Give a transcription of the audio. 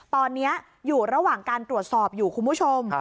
ตอนนี้อยู่ระหว่างการตรวจสอบอยู่คุณผู้ชม